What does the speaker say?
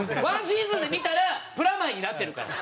１シーズンで見たらプラマイになってるから。